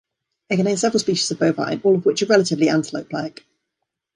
It contains several species of bovine, all of which are relatively antelope-like.